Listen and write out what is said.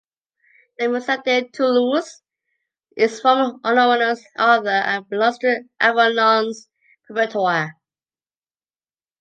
The "Misa de Toulouse" is from an anonymous author and belongs to Aviñón´s repertoire.